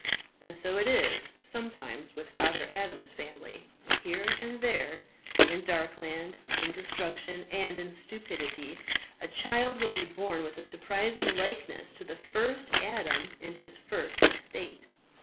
And so is it sometimes with father Adam's family. Here and there, in Darkland, in Destruction, and in Stupidity, a child will be born with a surprising likeness to the first Adam in his first estate.